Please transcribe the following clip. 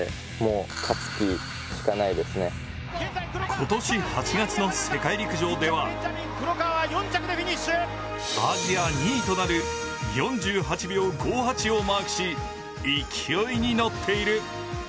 今年８月の世界陸上ではアジア２位となる４８秒５８をマークし勢いに乗っている。